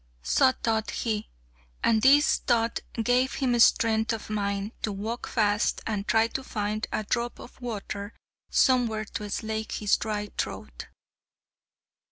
So thought he, and this thought gave him strength of mind to walk fast and try to find a drop of water somewhere to slake his dry throat.